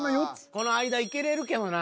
この間いけれるけどな。